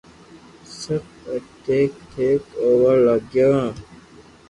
سب ٺيڪ ٺيڪ ھووا لاگيو